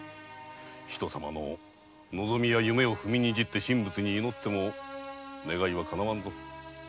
人様の望みや夢を踏みにじって神仏に祈ってもお前の願いはかなわんぞ。